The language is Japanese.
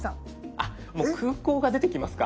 あっもう空港が出てきますか。